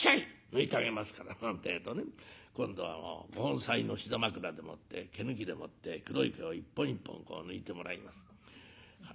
抜いてあげますから」なんてえとね今度はご本妻の膝枕でもって毛抜きでもって黒い毛を一本一本こう抜いてもらいます。